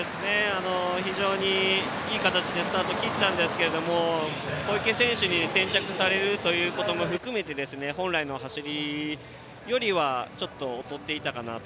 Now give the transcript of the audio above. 非常にいい形でスタート切ったんですけど小池選手に先着されることも含め本来の走りよりはちょっと劣っていたかなと。